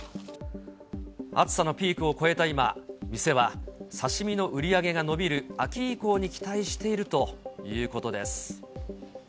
暑さのピークを越えた今、店は刺身の売り上げが伸びる秋以降に期待しているということです。